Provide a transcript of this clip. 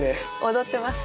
踊ってます。